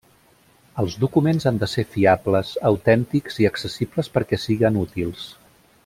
Els documents han de ser fiables, autèntics i accessibles perquè siguen útils.